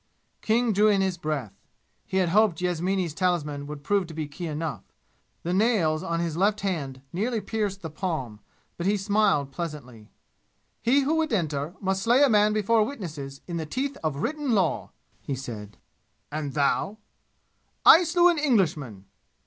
King drew in his breath. He had hoped Yasmini's talisman would prove to be key enough. The nails his left hand nearly pierced the palm, but he smiled pleasantly. "He who would enter must slay a man before witnesses in the teeth of written law!" he said. "And thou?" "I slew an Englishman!"